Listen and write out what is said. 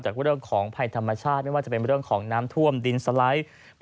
เรื่องของภัยธรรมชาติไม่ว่าจะเป็นเรื่องของน้ำท่วมดินสไลด์